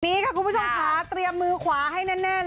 นี้ค่ะคุณผู้ชมค่ะเตรียมมือขวาให้แน่น